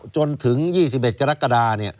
จนถึง๒๑กรกฎาเนี่ย